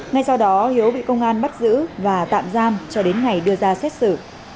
ngay sau đó hiếu bị công an bắt giữ và tạm giam cho đến ngày đưa ra xét xử